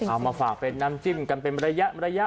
เอามาฝากเป็นน้ำจิ้มกันเป็นระยะ